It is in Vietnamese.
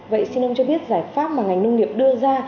vậy xin ông cho biết giải pháp mà ngành nông nghiệp đưa ra